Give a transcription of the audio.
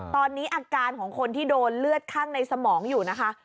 ตอนนี้อาการของคนที่โดนเลือดข้างในสมองอยู่นะคะ